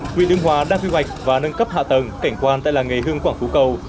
huyện đương hòa đang quy hoạch và nâng cấp hạ tầng cảnh quan tại làng nghề hương quảng phú cầu